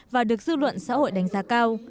và được dư luận xã hội đánh giá cao